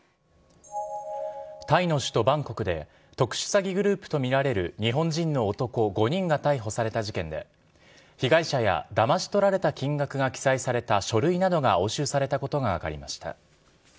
タイの首都バンコクで、特殊詐欺グループと見られる日本人の男５人が逮捕された事件で、被害者やだまし取られた金額が記載された書類などが押収されたことが分かりました。